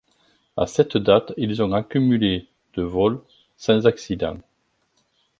À cette date, ils ont accumulé de vol sans accident.